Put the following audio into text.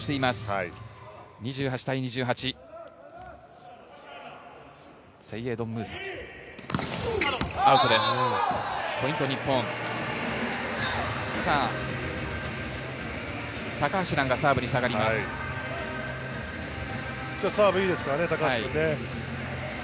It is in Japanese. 今日サーブがいいですからね高橋君。